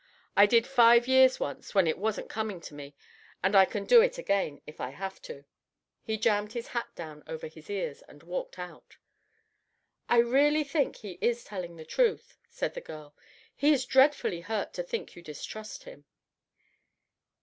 I did five years once when it wasn't coming to me, and I can do it again if I have to." He jammed his hat down over his ears, and walked out. "I really think he is telling the truth," said the girl. "He is dreadfully hurt to think you distrust him."